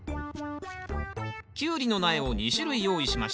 キュウリの苗を２種類用意しました。